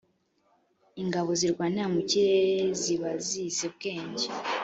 ingabo zirwanira mu kirere zibazizi ubwenge.